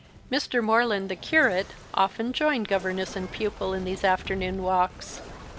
Mr. Morland, the curate, often joined governess and pupil in these afternoon walks.